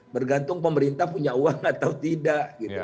bergantung pemerintah punya uang atau tidak